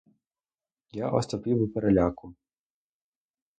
Я остовпів у переляку.